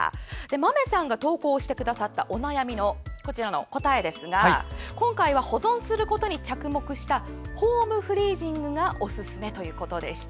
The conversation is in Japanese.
まめさんが投稿してくださったお悩みの答えですが今回は、保存することに着目したホームフリージングがおすすめということでした。